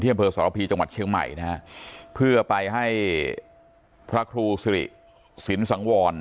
อำเภอสรพีจังหวัดเชียงใหม่นะฮะเพื่อไปให้พระครูสิริสินสังวร